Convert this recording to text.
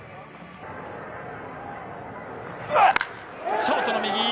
ショートの右。